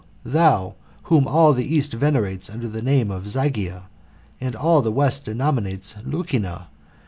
thou whom all the east venerates under the name of Zygia, and all the west denominates Lucina